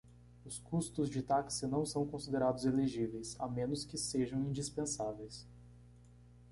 Os custos de táxi não são considerados elegíveis, a menos que sejam indispensáveis.